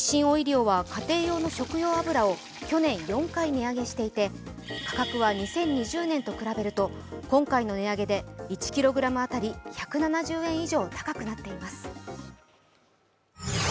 オイリオは家庭用の食用油を去年４回値上げしていて価格は２０２０年と比べると、今回の値上げで１ｋｇ当たり１７０円以上高くなっています。